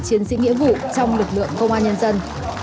chiến sĩ nghĩa vụ trong lực lượng công an nhân dân